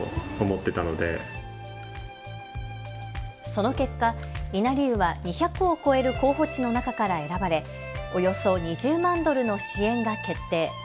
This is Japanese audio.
その結果、稲荷湯は２００を超える候補地の中から選ばれ、およそ２０万ドルの支援が決定。